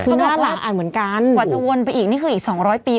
กว่าจะวนไปอีกนี่คืออีก๒๐๐ปี